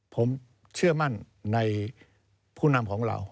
ผมเชื่อมั่นในผู้นำของเรา